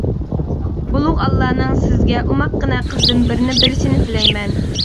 ئۇلۇغ ئاللانىڭ سىزگە ئوماققىنە قىزدىن بىرنى بېرىشىنى تىلەيمەن.